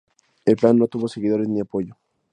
El plan no tuvo seguidores, ni apoyo.